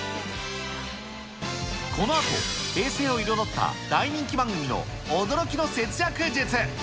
このあと平成を彩った大人気番組の驚きの節約術。